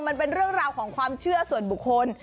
มันเป็นเรื่องราวของความเชื่อส่วนบุคคล